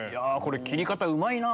切り方うまいな！